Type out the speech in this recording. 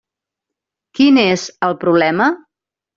Quin és el problema?